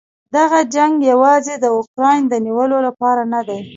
دغه جنګ یواځې د اوکراین د نیولو لپاره نه دی.